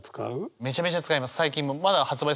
めちゃめちゃ使います。